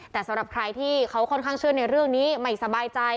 แต่สำหรับใครที่เขาค่อนข้างเชื่อในเรื่องนี้ไม่สบายใจ